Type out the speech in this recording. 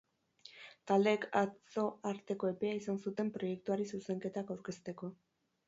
Taldeek atzo arteko epea izan zuten proiektuari zuzenketak aurkezteko.